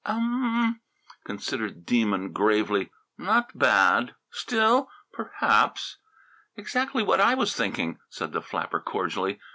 "U u mm!" considered the Demon gravely. "Not bad. Still, perhaps !" "Exactly what I was thinking!" said the flapper cordially.